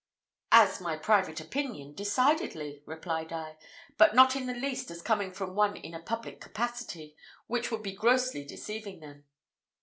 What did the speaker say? "As my private opinion, decidedly," replied I; "but not in the least as coming from one in a public capacity, which would be grossly deceiving them."